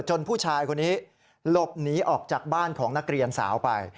ผู้ชายคนนี้หลบหนีออกจากบ้านของนักเรียนสาวไป